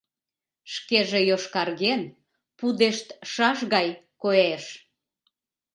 Шкеже йошкарген, пудештшаш гай коеш.